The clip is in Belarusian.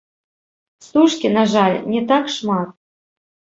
Стужкі, на жаль, не так шмат.